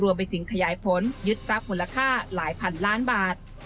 ไปถึงขยายผลยึดรับมูลค่าหลายพันล้านบาท